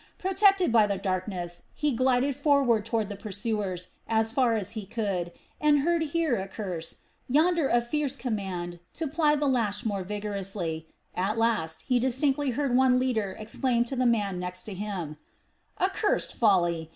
Protected by the darkness, he glided forward toward the pursuers, as far as he could, and heard here a curse, yonder a fierce command to ply the lash more vigorously; at last he distinctly heard one leader exclaim to the man next him: "Accursed folly!